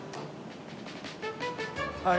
はい。